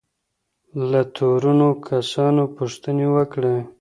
له تورنو کسانو پوښتني وکړئ.